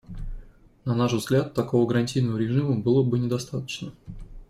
На наш взгляд, такого гарантийного режима было бы недостаточно.